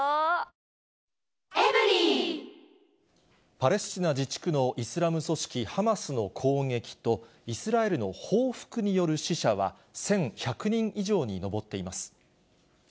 パレスチナ自治区のイスラム組織ハマスの攻撃と、イスラエルの報復による死者は１１００人以上に上っています。